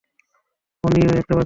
পোন্নি, ও একটা বাচ্চা।